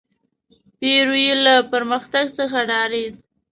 پیرو یې له پرمختګ څخه ډارېد.